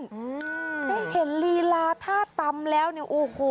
ได้เห็นรีราธาตำแล้วโอ้โฮ